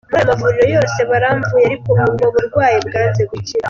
Muri ayo mavuriro yose baramvuye ariko ubwo burwayi bwanze gukira.